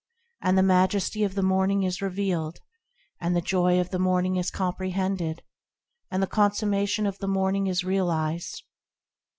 And the majesty of the Morning is revealed; And the joy of the Morning is comprehended ; And the consummation of the Morning is realised.